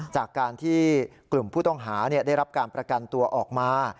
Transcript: จากการที่กลุ่มผู้ต้องหาได้รับการประกันตัวออกมา